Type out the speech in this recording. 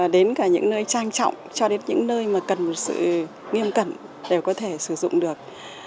đến cả những nơi trang trọng cho đến những nơi mà cần sự nghiêm cẩn đều có thể sử dụng được